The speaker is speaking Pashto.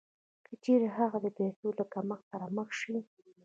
که چېرې هغه د پیسو له کمښت سره مخ شي